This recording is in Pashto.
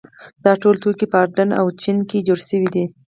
دا ټول توکي په اردن او چین کې جوړ شوي دي.